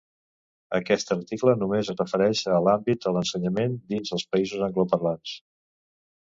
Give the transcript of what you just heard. Aquest article només es refereix a l'àmbit de l'ensenyament dins els països angloparlants.